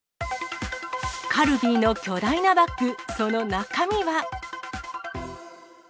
カルビーの巨大なバッグ、その中身は？